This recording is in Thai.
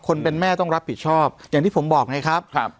คนเป็นแม่ต้องรับผิดชอบอย่างที่ผมบอกไงครับ